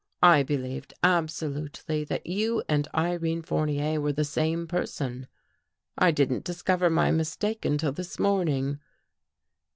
I believed, absolutely, that you and Irene Fournier were the same person. I didn't discover my mis take until this morning."